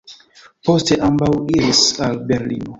Poste ambaŭ iris al Berlino.